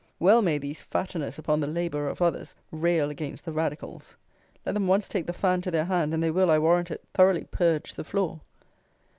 Well may these fatteners upon the labour of others rail against the Radicals! Let them once take the fan to their hand, and they will, I warrant it, thoroughly purge the floor.